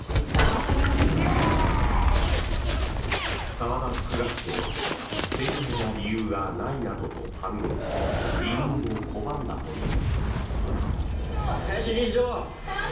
澤田副学長は正当な理由がないなどと反論し辞任を拒んだという。